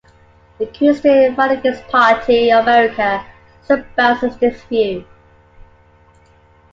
The Christian Falangist Party of America espouses this view.